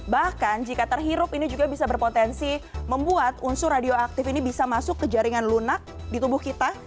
bahkan jika terhirup ini juga bisa berpotensi membuat unsur radioaktif ini bisa masuk ke jaringan lunak di tubuh kita